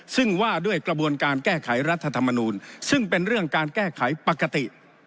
ซึ่งว่าด้วยกระบวนการแก้ไขรัฐธรรมนูลซึ่งเป็นเรื่องการแก้ไขปกติ